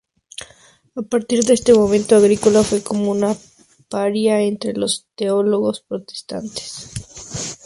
A partir de ese momento, Agricola fue como un paria entre los teólogos protestantes.